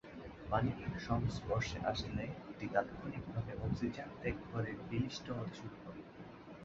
পানির সংস্পর্শে আসলে এটি তাৎক্ষণিক ভাবে অক্সিজেন ত্যাগ করে বিশ্লিষ্ট হতে শুরু করে।